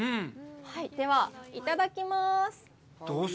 では、いただきます。